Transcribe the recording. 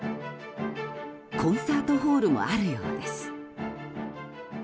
コンサートホールもあるようです。